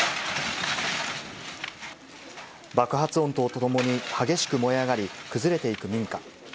爆発音とともに激しく燃え上がり、崩れていく民家。